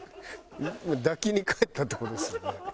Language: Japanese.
抱きに帰ったって事ですよね？